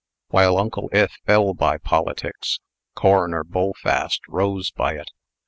While Uncle Ith fell by politics, Coroner Bullfast rose by it.